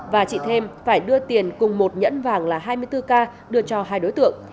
và chị thêm phải đưa tiền cùng một nhẫn vàng là hai mươi bốn k đưa cho hai đối tượng